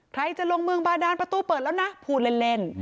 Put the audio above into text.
ใครจะลงเมืองบาดานประตูเปิดแล้วนะพูดเล่น